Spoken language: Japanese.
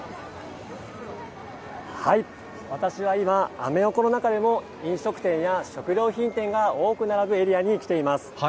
私は今、アメ横の中でも、飲食店や食料品店が多く並ぶエリアに来ています。